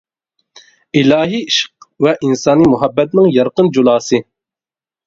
ئىلاھىي ئىشق ۋە ئىنسانى مۇھەببەتنىڭ يارقىن جۇلاسى.